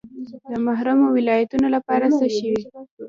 د محرومو ولایتونو لپاره څه شوي؟